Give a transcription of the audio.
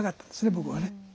僕はね。